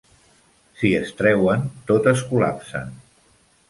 Si es treuen, tot es col·lapsa.